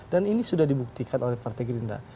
dan ini sudah dibuktikan oleh partai gerindra